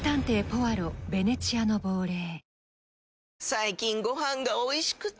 最近ご飯がおいしくて！